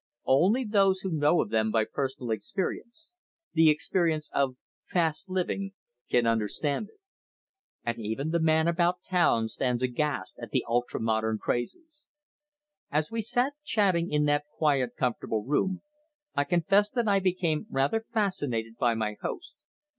Only those who know of them by personal experience the experience of "fast living" can understand it. And even the man about town stands aghast at the ultra modern crazes. As we sat chatting in that quiet comfortable room, I confess that I became rather fascinated by my host.